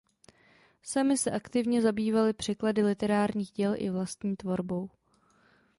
Sami se aktivně zabývali překlady literárních děl i vlastní tvorbou.